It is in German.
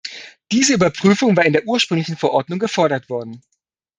Diese Überprüfung war in der ursprünglichen Verordnung gefordert worden.